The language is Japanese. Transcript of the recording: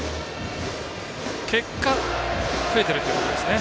結果、増えているということですね。